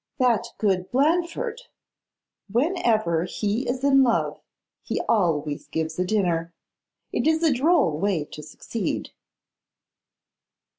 'That good Blandford! Whenever he is in love he always gives a dinner. It is a droll way to succeed.